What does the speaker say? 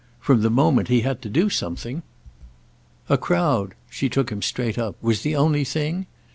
From the moment he had to do something—" "A crowd"—she took him straight up—"was the only thing?